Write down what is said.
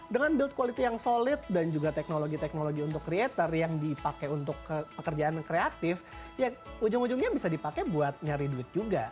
dengan build quality yang solid dan juga teknologi teknologi untuk creator yang dipakai untuk pekerjaan yang kreatif ya ujung ujungnya bisa dipakai buat nyari duit juga